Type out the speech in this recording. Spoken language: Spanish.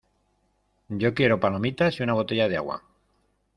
¡Yo quiero palomitas y una botella de agua!